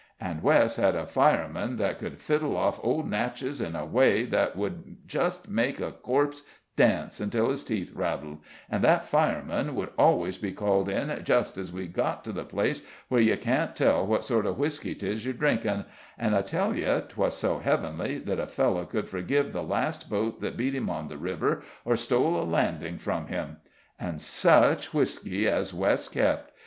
And Wess had a fireman that could fiddle off old 'Natchez' in a way that would just make a corpse dance till its teeth rattled, and that fireman would always be called in just as we'd got to the place where you can't tell what sort of whisky 'tis you're drinking; and I tell you, 'twas so heavenly that a fellow could forgive the last boat that beat him on the river, or stole a landing from him. And such whisky as Wess kept!